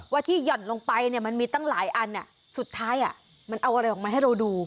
ที่หย่อนลงไปเนี่ยมันมีตั้งหลายอันสุดท้ายมันเอาอะไรออกมาให้เราดู